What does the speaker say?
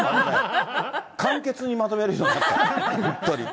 簡潔にまとめるようになった、本当に。